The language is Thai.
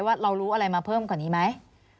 ว่าเรารู้อะไรมาเพิ่มกว่านี้ไหม